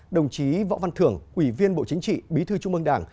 đồng chí võ văn thưởng ủy viên bộ chính trị bí thư trung mương đảng